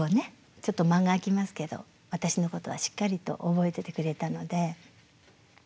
ちょっと間が空きますけど私のことはしっかりと覚えててくれたので。